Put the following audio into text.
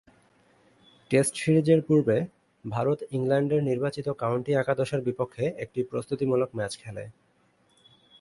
Test সিরিজের পূর্বে ভারত ইংল্যান্ডের নির্বাচিত কাউন্টি একাদশের বিপক্ষে একটি প্রস্তুতিমূলক ম্যাচ খেলে।